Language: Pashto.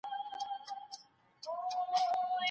بايد له انټرنېټ څخه سمه ګټه واخلو.